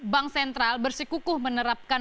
bank sentral bersikukuh menerapkan